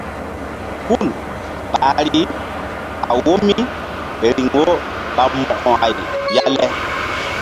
Hul ɓahri a wo mí riŋ wo ɓa Mo̧ko-ay ya le.